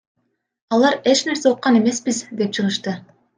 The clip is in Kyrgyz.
Алар эч нерсе уккан эмеспиз деп чыгышты.